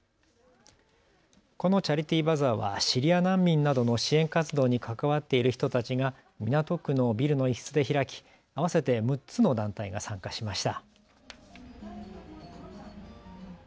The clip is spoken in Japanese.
このチャリティーバザーはシリア難民などの支援活動に関わっている人たちが港区のビルの一室で開き合わせて６つの団体が参加しました。